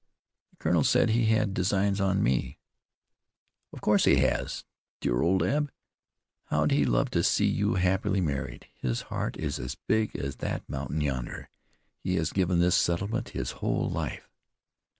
"The colonel said he had designs on me." "Of course he has, dear old Eb! How he'd love to see you happily married. His heart is as big as that mountain yonder. He has given this settlement his whole life."